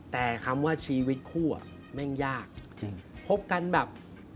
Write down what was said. แต่แค่ชีวิตคู่แม่งยาก